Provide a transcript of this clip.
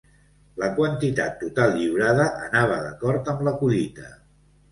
La quantitat total lliurada anava d'acord amb la collita.